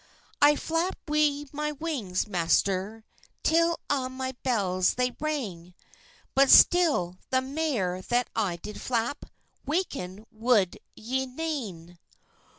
"I flapped wi my wings, master, Till a' my bells they rang, But still, the mair that I did flap, Waken woud ye nane."